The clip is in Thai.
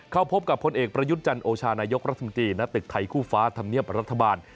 เข้าพบกับพลเอกประยุทธ์จันโอชานายกรัฐมนตรีณตึกไทยคู่ฟ้าธรรมเนียบรัฐบาล